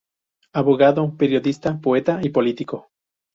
Abogado, periodista, poeta y político.